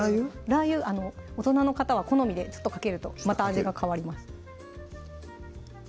ラー油大人の方は好みでちょっとかけるとまた味が変わります